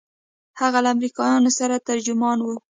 هغه له امريکايانو سره ترجمان و.